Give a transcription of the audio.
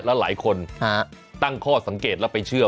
แล้วหลายคนตั้งข้อสังเกตแล้วไปเชื่อ